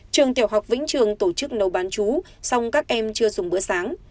trường tiểu học vĩnh trường tổ chức nấu bán chú song các em chưa dùng bữa sáng